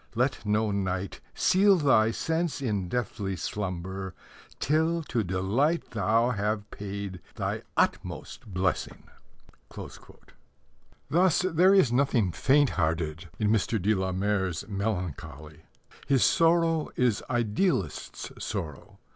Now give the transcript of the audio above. Let no night Seal thy sense in deathly slumber Till to delight Thou have paid thy utmost blessing. Thus, there is nothing faint hearted in Mr. de la Mare's melancholy. His sorrow is idealist's sorrow.